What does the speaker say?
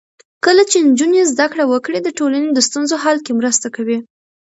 کله چې نجونې زده کړه وکړي، د ټولنې د ستونزو حل کې مرسته کوي.